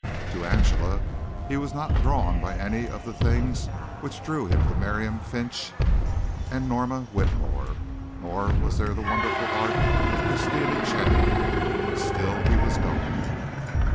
To Angela he was not drawn by any of the things which drew him to Miriam Finch and Norma Whitmore, nor was there the wonderful art of Christina Channing. Still he was going.